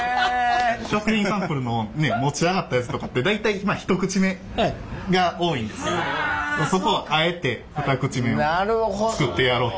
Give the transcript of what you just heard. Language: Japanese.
食品サンプルの持ち上がったやつとかって大体一口目が多いんですけどそこをあえて二口目を作ってやろうと。